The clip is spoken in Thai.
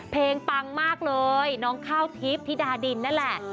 ปังมากเลยน้องข้าวทิพย์ธิดาดินนั่นแหละ